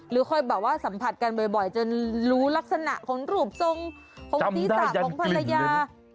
ค่อยแบบว่าสัมผัสกันบ่อยจนรู้ลักษณะของรูปทรงของศีรษะของภรรยา